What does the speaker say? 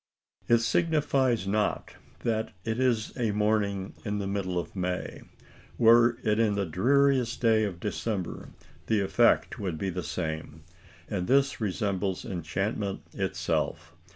It signifies not that it is a morning in the middle of May: were it the dreariest day of December, the effect would be the same; and this resembles enchantment itself.